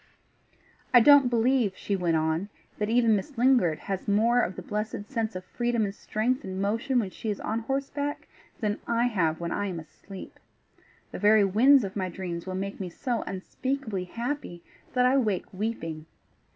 "I don't believe," she went on, "that even Miss Lingard has more of the blessed sense of freedom and strength and motion when she is on horseback than I have when I am asleep. The very winds of my dreams will make me so unspeakabably happy that I wake weeping.